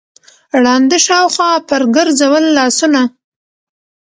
ړانده شاوخوا پر ګرځول لاسونه